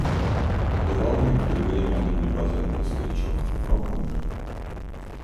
Бывал некоторое время один любознательный старичок, но помер.